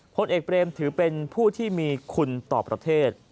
พลเอกเปลมถือเข้าทางเป็นผู้ที่มีคุณต่อประเทศ